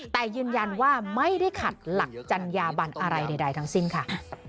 แต่ยืนยันว่าไม่ได้ขัดหลักจัญญาบันอะไรใดทั้งสิ้นค่ะ